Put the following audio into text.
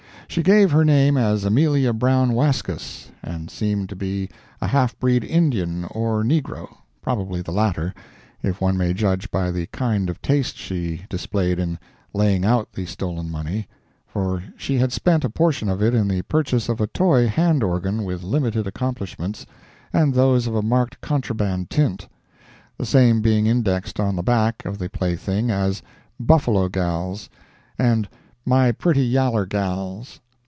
She gave her name as Amelia Brown Wascus, and seemed to be a half breed Indian or negro—probably the latter, if one may judge by the kind of taste she displayed in laying out the stolen money, for she had spent a portion of it in the purchase of a toy hand organ with limited accomplishments, and those of a marked contraband tint—the same being indexed on the back of the plaything as "Buffalo Gals," and "My Pretty Yaller Gals."